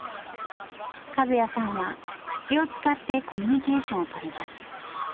和也さんは口を使ってコミュニケーションをとります。